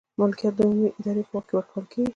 ملکیت د عمومي ادارې په واک کې ورکول کیږي.